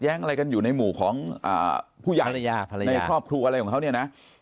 แล้วไปปล่อยทิ้งเอาไว้จนเด็กเนี่ย